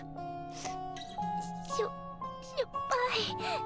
ウゥしょしょっぱい。